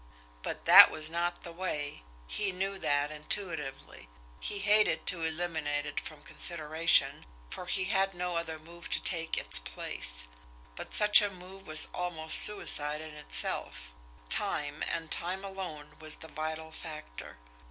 But that was not the way! He knew that intuitively. He hated to eliminate it from consideration, for he had no other move to take its place but such a move was almost suicide in itself. Time, and time alone, was the vital factor.